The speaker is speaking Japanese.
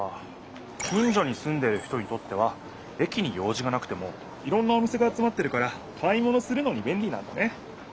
近所にすんでいる人にとっては駅に用じがなくてもいろんなお店が集まってるから買い物するのにべんりなんだね！